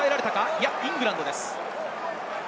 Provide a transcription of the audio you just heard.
いやイングランドです。